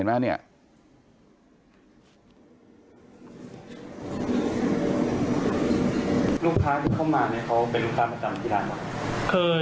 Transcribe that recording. ลูกค้าที่เข้ามาเป็นลูกค้าประจำที่ร้านหรือ